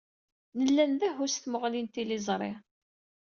Nella ndehhu s tmuɣli n tliẓri.